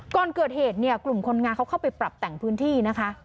ก่อนเกิดเหตุเนี่ยกลุ่มคนงานเขาเข้าไปปรับแต่งพื้นที่นะคะ